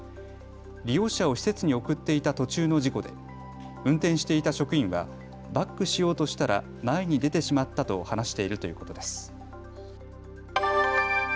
利用者を施設に送っていた途中の事故で運転していた職員はバックしようとしたら前に出てしまったと話しているということです。